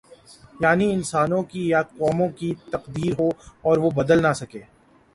یعنی انسانوں کی یا قوموں کی تقدیر ہو اور وہ بدل نہ سکے۔